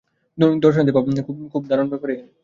দর্শনার্থী পাওয়া খুব দারুণ ব্যাপার।